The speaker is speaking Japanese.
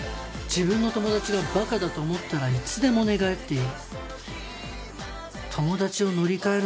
「自分の友達が馬鹿だと思ったらいつでも寝返っていい」。